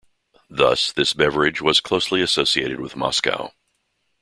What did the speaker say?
Thus, this beverage was closely associated with Moscow.